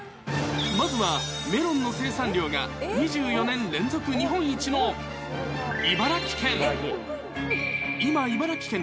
まずはメロンの生産量が２４年連続日本一の茨城県。